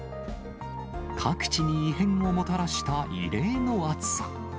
各地に異変をもたらした異例の暑さ。